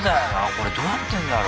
これどうやってんだろ。